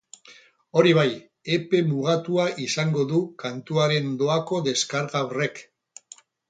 Hori bai, epe mugatua izango du kantuaren doako deskarga horrek.